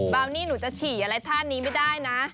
วนี่หนูจะฉี่อะไรท่านี้ไม่ได้นะ